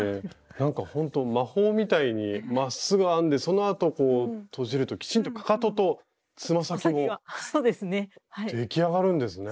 なんかほんと魔法みたいにまっすぐ編んでそのあとこうとじるときちんとかかととつま先も出来上がるんですね。